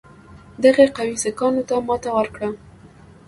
دغې قوې سیکهانو ته ماته ورکړه.